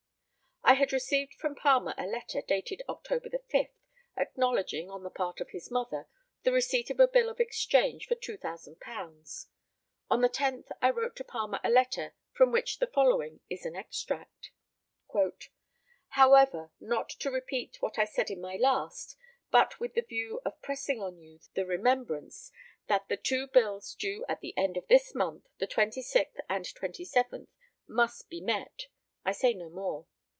I had received from Palmer a letter, dated October 5, acknowledging, on the part of his mother, the receipt of a bill of exchange for £2,000. On the 10th I wrote to Palmer a letter, from which the following is an extract: "However, not to repeat what I said in my last, but with the view of pressing on you the remembrance that the two bills due at the end of this month, the 26th and 27th, must be met, I say no more.